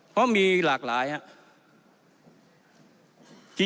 เพราะมีหลากหลายฮะ